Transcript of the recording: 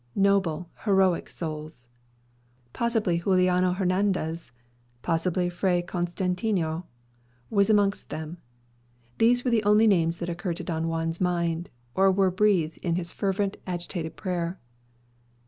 Noble, heroic souls! Probably Juliano Hernandez, possibly Fray Constantino, was amongst them. These were the only names that occurred to Don Juan's mind, or were breathed in his fervent, agitated prayer.